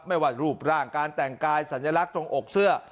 ไม่ว่ารูปร่างการแต่งกายสัญลักษณ์ตรงอกเสื้อ